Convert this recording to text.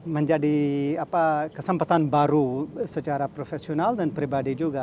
menjadi kesempatan baru secara profesional dan pribadi juga